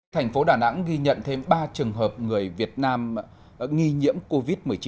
thành phố đà nẵng ghi nhận thêm ba trường hợp người việt nam nghi nhiễm covid một mươi chín